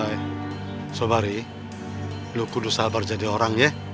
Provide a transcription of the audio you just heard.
eh sobari lu kudus sabar jadi orang ya